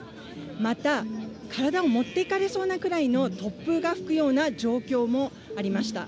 また、体を持っていかれそうなくらいの突風が吹くような状況もありました。